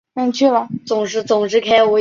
而他们的也造就了日后的诞生。